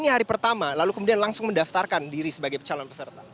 ini hari pertama lalu kemudian langsung mendaftarkan diri sebagai calon peserta